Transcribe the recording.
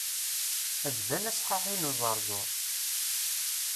Bdan asḥaḥi n uẓerẓur.